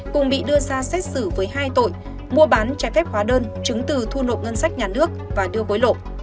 cùng bị đưa ra xét xử với hai tội mua bán trái phép hóa đơn chứng từ thu nộp ngân sách nhà nước và đưa hối lộ